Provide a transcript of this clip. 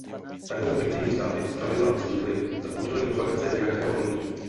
Takové fiktivní státy zpravidla vznikly za účelem propagace nějakého hnutí.